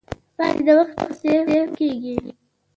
پاڼې د وخت په څېر ورکېږي